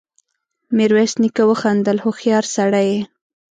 ميرويس نيکه وخندل: هوښيار سړی يې!